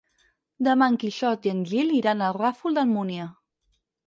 Demà en Quixot i en Gil iran al Ràfol d'Almúnia.